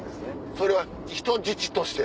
それは人質として？